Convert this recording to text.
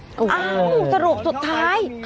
เอ้าสรุปสุดท้าย